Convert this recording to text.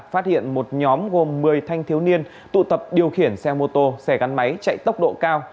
phát hiện một nhóm gồm một mươi thanh thiếu niên tụ tập điều khiển xe mô tô xe gắn máy chạy tốc độ cao